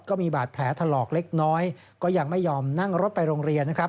ก็มีบาดแผลถลอกเล็กน้อยก็ยังไม่ยอมนั่งรถไปโรงเรียนนะครับ